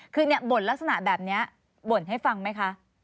คือบ่นลักษณะแบบนี้บ่นให้ฟังไหมคะ